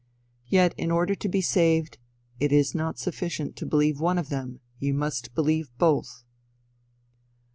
Yet in order to be saved, it is not sufficient to believe one of them you must believe both.